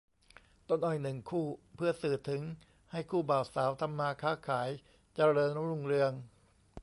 ต้นอ้อย หนึ่ง คู่ เพื่อสื่อถึงให้คู่บ่าวสาวทำมาค้าขายเจริญรุ่งเรือง